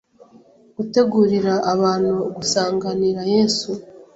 Gutegurira Abantu Gusanganira Yesu